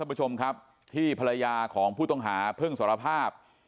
ผู้ชมครับที่ภรรยาของผู้ต้องหาเพิ่งสารภาพ